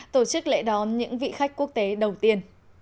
tổ chức lễ đón những vị khách quốc tế